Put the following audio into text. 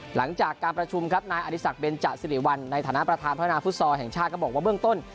หลังจากการประชุมครับนายอดีศักดิเบนจสิริวัลในฐานะประธานพัฒนาฟุตซอลแห่งชาติก็บอกว่าเบื้องต้น